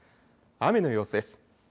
雨の様子です。